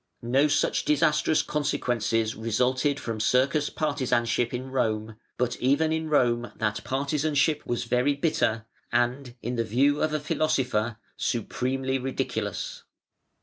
No such disastrous consequences resulted from circus partisanship in Rome: but even in Rome that partisanship was very bitter, and, in the view of a philosopher, supremely ridiculous.